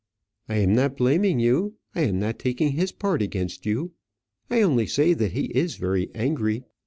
"I am not blaming you. I am not taking his part against you. I only say that he is very angry."